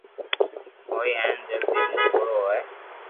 ھوئي ھين جلدو مون ئورو ھوئي